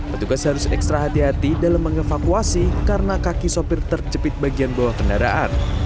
petugas harus ekstra hati hati dalam mengevakuasi karena kaki sopir terjepit bagian bawah kendaraan